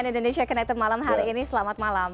cnn indonesia connected malam hari ini selamat malam